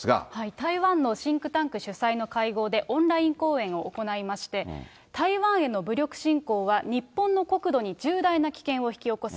台湾のシンクタンク主催の会合でオンライン講演を行いまして、台湾への武力侵攻は日本の国土に重大な危険を引き起こす。